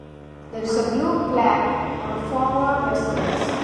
There is a blue plaque on a former residence.